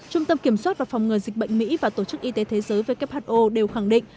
trung tâm kiểm soát và phòng ngừa dịch bệnh mỹ và tổ chức y tế thế giới who đều khẳng định